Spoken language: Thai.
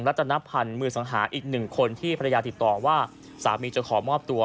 และจะนับพันธุ์มือสังหาอีก๑คนที่ภรรยาติดต่อว่าสามีจะขอมอบตัว